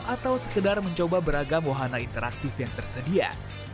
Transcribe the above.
atau sekedar mencoba beragam wahana interaktif yang tersedia